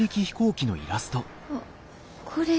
あっこれ。